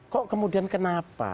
kok kemudian kenapa